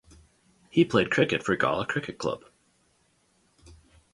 He played cricket for Gala cricket club.